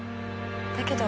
だけど。